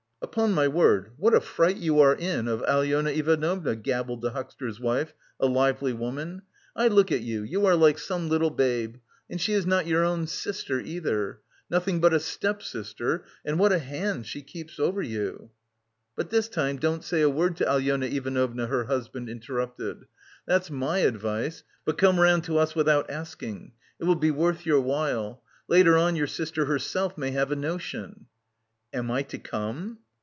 "Upon my word, what a fright you are in of Alyona Ivanovna," gabbled the huckster's wife, a lively little woman. "I look at you, you are like some little babe. And she is not your own sister either nothing but a step sister and what a hand she keeps over you!" "But this time don't say a word to Alyona Ivanovna," her husband interrupted; "that's my advice, but come round to us without asking. It will be worth your while. Later on your sister herself may have a notion." "Am I to come?"